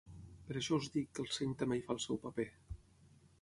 Per això us dic que el seny també hi fa el seu paper.